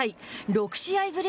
６試合ぶり